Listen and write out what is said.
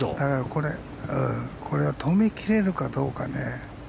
これは止めきれるかどうかね。